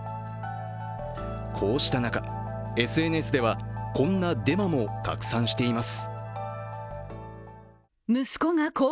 こうした中ＳＮＳにはこんなデマも拡散しています。